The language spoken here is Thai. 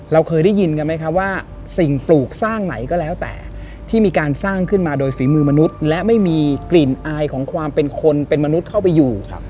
เราเคยได้ยินกันไหมครับว่าสิ่งปลูกสร้างไหนก็แล้วแต่ที่มีการสร้างขึ้นมาโดยฝีมือมนุษย์และไม่มีกลิ่นอายของความเป็นคนเป็นมนุษย์เข้าไปอยู่